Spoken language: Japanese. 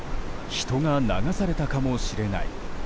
人が流されたかもしれない。